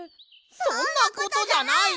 そんなことじゃない！